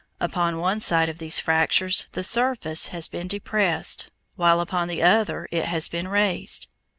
Upon one side of these fractures the surface has been depressed, while upon the other it has been raised.